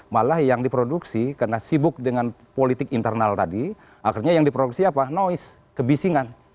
malah yang diproduksi karena sibuk dengan politik internal tadi akhirnya yang diproduksi apa noise kebisingan